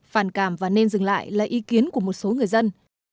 phản cảm và nên dừng lại là ý kiến của một số người dân